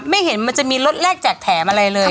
ไม่เห็นจะมีลดแรกแจกแถมอะไรเลย